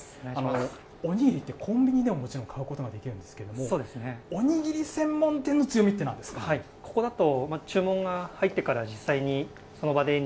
おにぎりってコンビニでももちろん買うことができるんですけれども、おにぎり専門店の強みっここだと注文が入ってから実